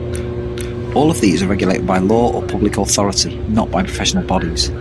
All of these are regulated by law or public authority, not by professional bodies.